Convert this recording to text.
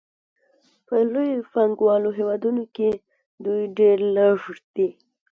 په لویو پانګوالو هېوادونو کې دوی ډېر لږ دي